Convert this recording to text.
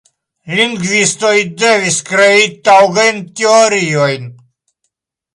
Lingvistoj devis krei taŭgajn teoriojn.